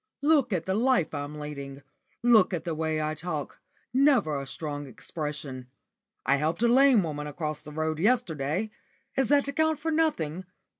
Look at the life I'm leading. Look at the way I talk; never a strong expression. I helped a lame woman across the road yesterday. Is that to count for nothing?